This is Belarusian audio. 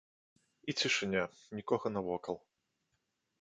І цішыня, нікога навокал.